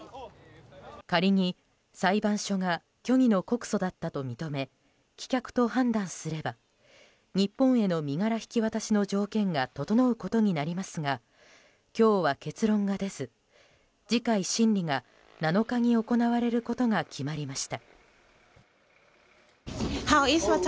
仮に裁判所が虚偽の告訴だったと認め棄却と判断すれば日本への身柄引き渡しの条件が整うことになりますが今日は結論が出ず次回審理が７日に行われることが決まりました。